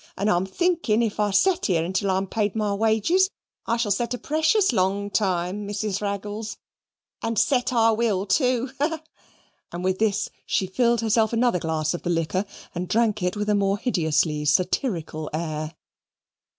And I'm thinkin' if I set here until I'm paid my wages, I shall set a precious long time, Mrs. Raggles; and set I will, too ha! ha!" and with this she filled herself another glass of the liquor and drank it with a more hideously satirical air.